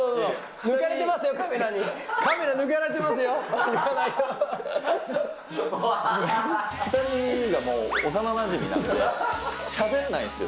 抜かれてますよ、カメラに、２人がもう、幼なじみなので、しゃべらないんですよ。